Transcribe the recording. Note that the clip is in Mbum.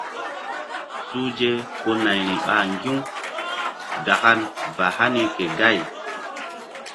Suhze ko nayri ɓa ŋgi̧-u gakan ba hani ke gay.